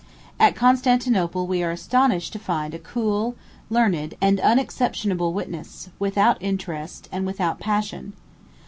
At Constantinople we are astonished to find a cool, a learned, and unexceptionable witness, without interest, and without passion.